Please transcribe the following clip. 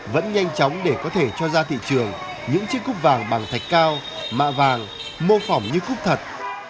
vẫn nhanh chóng để có thể cho ra thị trường những chiếc cúp vàng bằng thạch cao mạ vàng mô phỏng như cúc thật